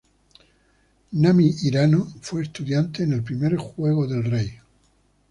Nami Hirano fue estudiante en el primer juego del Rey.